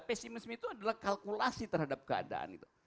pesimisme itu adalah kalkulasi terhadap keadaan